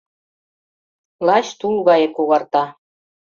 Лач тул гае когарта.